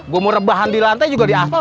gue mau rebahan di lantai juga di asfal